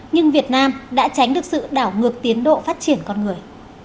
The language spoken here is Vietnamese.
nhưng việt nam đã tránh được sự đảo ngược tiến độ phát triển con người